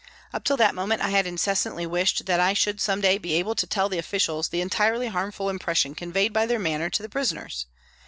Up till that moment I had incessantly wished that I should some day be able to tell the officials the entirely harmful impression conveyed by their manner to the prisoners.